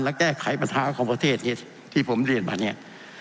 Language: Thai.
และแก้ไขปัญหาของประเทศที่ผมเรียนมาเนี่ย